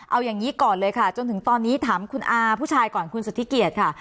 เอาอย่างนี้ก่อนเลยค่ะจนถึงตอนนี้ถามคุณอาผู้ชายก่อนคุณสุธิเกียจค่ะ